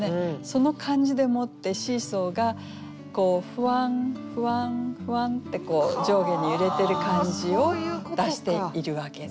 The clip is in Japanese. その感じでもってシーソーがふわんふわんふわんって上下に揺れてる感じを出しているわけですね。